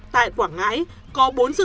tại quảng ngãi có bốn dự án